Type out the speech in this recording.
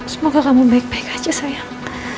semoga kamu baik baik aja sayang